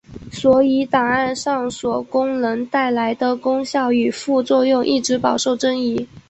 所以档案上锁功能带来的功效与副作用一直饱受争议。